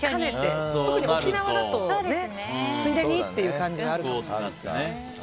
特に沖縄だとついでにっていう感じもあるかもね。